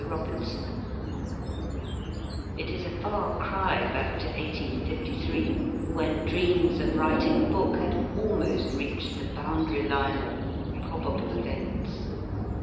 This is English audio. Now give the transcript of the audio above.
ROBINSON I T is a far cry back to 1853, when dreams of writing a book had almost reached the boundary line of probable events.